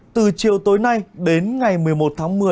từ chiều tối nay đến ngày một mươi một tháng một mươi